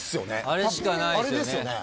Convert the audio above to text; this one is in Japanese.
あれしかないですよね。